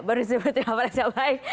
baru sepertinya apa yang saya baik